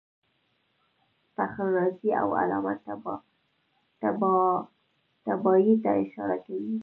فخر رازي او علامه طباطبايي ته اشاره کوي.